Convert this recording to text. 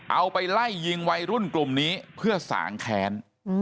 เอาไปไล่ยิงวัยรุ่นกลุ่มนี้เพื่อสางแค้น